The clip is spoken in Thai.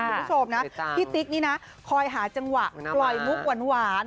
คุณผู้ชมนะพี่ติ๊กนี่นะคอยหาจังหวะปล่อยมุกหวาน